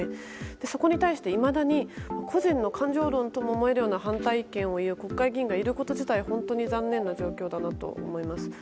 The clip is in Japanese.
そこに対して、いまだに個人の感情論とも思えるような反対意見を言う国会議員がいること自体本当に残念な状況だと思います。